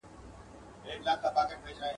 زور یې نه وو د شهپر د وزرونو !.